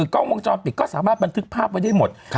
กล้องวงจรปิดก็สามารถบันทึกภาพไว้ได้หมด